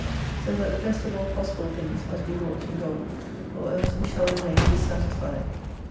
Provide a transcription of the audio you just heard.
So that the best of all possible things must be wrought in God, or else we shall remain dissatisfied.